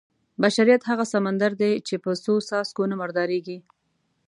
بشریت هغه سمندر دی چې په څو څاڅکو نه مردارېږي.